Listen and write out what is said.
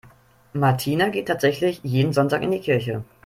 Martina geht tatsächlich jeden Sonntag in die Kirche.